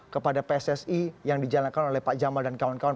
kepada pssi yang dijalankan oleh pak jamal dan kawan kawan